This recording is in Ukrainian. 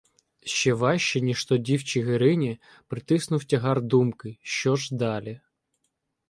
Ще важче, ніж тоді в Чигирині, притиснув тягар думки: що ж далі?!